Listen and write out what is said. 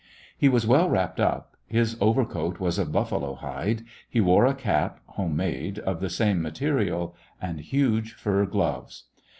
He was well wrapped up. His overcoat was of buffalo hide; he wore a cap, home made, of the same mate rial, and huge fur gloves.